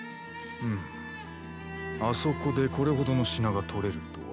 ふむあそこでこれほどの品が採れるとは。